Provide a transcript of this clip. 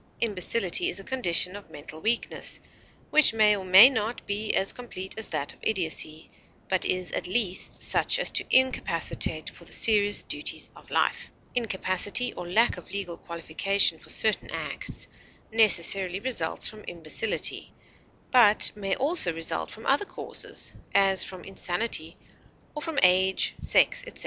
Imbecility is a condition of mental weakness, which may or may not be as complete as that of idiocy, but is at least such as to incapacitate for the serious duties of life. Incapacity, or lack of legal qualification for certain acts, necessarily results from imbecility, but may also result from other causes, as from insanity or from age, sex, etc.